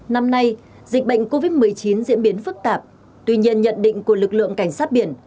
năm nay dịch bệnh covid một mươi chín diễn biến phức tạp tuy nhiên nhận định của lực lượng cảnh sát biển